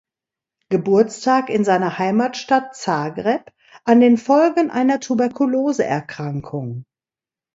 Geburtstag in seiner Heimatstadt Zagreb an den Folgen einer Tuberkuloseerkrankung.